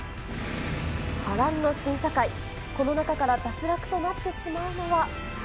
波乱の審査会、この中から脱落となってしまうのは。